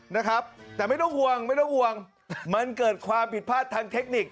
นะครับแต่ไม่ต้องห่วงไม่ต้องห่วงมันเกิดความผิดพลาดทางเทคนิค